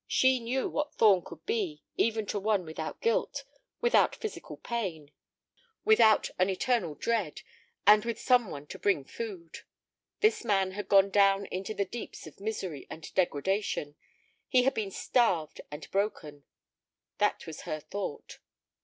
She knew what Thorn could be even to one without guilt, without physical pain, without an eternal dread, and with some one to bring food. This man had gone down into the deeps of misery and degradation. He had been starved and broken. That was her thought.